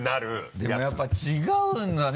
でもやっぱ違うんだね